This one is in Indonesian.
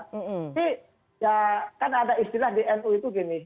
tapi ya kan ada istilah di nu itu gini